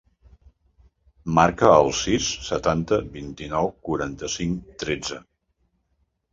Marca el sis, setanta, vint-i-nou, quaranta-cinc, tretze.